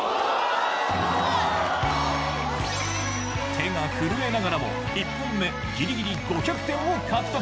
手が震えながらも１本目、ギリギリ５００点を獲得。